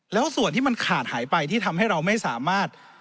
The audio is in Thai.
แล้วส่วนที่มันขาดหายไปที่ทำให้เราไม่สามารถ